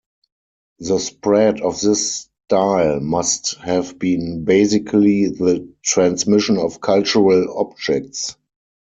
The spread of this style must have been basically the transmission of cultural objects.